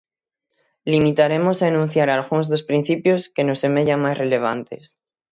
Limitaremos a enunciar algúns dos principios que nos semellan máis relevantes.